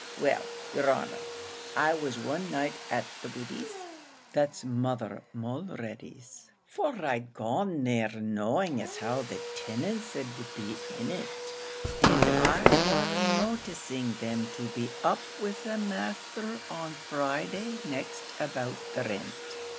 Well, yer honour, I was one night at the Widdy's, that's Mother Mulready's, for I'd gone there knowing as how the tenants 'd be in it, and I war noticing them to be up with the masther on Friday next about the rint.